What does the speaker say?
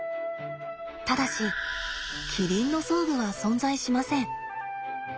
ただしキリンの装具は存在しません。